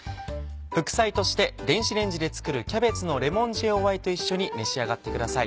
副菜として電子レンジで作る「キャベツのレモン塩あえ」と一緒に召し上がってください。